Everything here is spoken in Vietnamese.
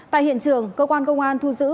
tại hiện trường cơ quan công an thu giữ